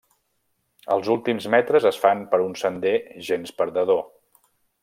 Els últims metres es fan per un sender gens perdedor.